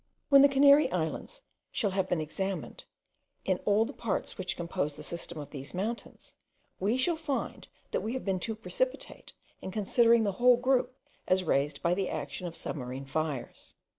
When the Canary Islands shall have been examined, in all the parts which compose the system of these mountains, we shall find that we have been too precipitate in considering the whole group as raised by the action of submarine fires.